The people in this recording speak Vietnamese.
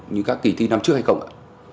như các kỳ thi năm trước hay không ạ